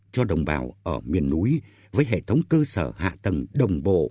cho đồng bào ở miền núi với hệ thống cơ sở hạ tầng đồng bộ